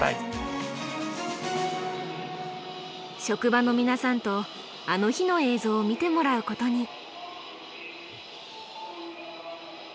職場の皆さんと「あの日」の映像を見てもらうことに。